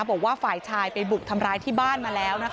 บอกว่าฝ่ายชายไปบุกทำร้ายที่บ้านมาแล้วนะคะ